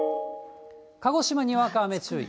鹿児島、にわか雨注意。